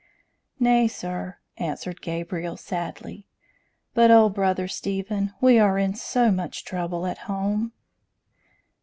"Nay, sir," answered Gabriel, sadly; "but oh, Brother Stephen, we are in so much trouble at home!"